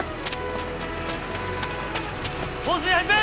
放水始め！